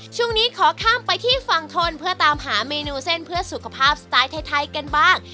ช่วงนี้ขอข้ามไปที่ฝั่งทนเพื่อตามหาเมนูเส้นเพื่อสุขภาพสไตล์ไทยกันบ้าง